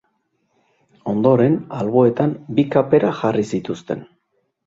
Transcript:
Ondoren, alboetan, bi kapera jarri zituzten.